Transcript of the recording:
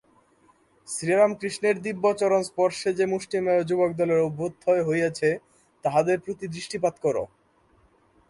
শ্রীরামকৃষ্ণের দিব্য চরণস্পর্শে যে মুষ্টিমেয় যুবকদলের অভ্যুদয় হইয়াছে, তাহাদের প্রতি দৃষ্টিপাত কর।